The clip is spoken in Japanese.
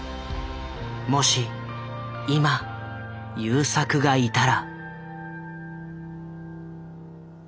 もし今優作がいたら。